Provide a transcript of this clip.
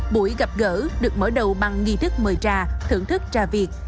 buổi gặp gỡ được mở đầu bằng nghi thức mời trà thưởng thức trà việt